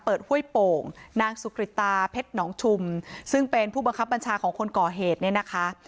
ห้วยโป่งนางสุกริตตาเพชรหนองชุมซึ่งเป็นผู้บังคับบัญชาของคนก่อเหตุเนี่ยนะคะ